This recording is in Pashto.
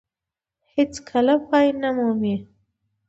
هېڅ کله پای نه مومي.